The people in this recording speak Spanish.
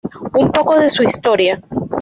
Un poco de su historia...